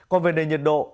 còn về nền nhiệt độ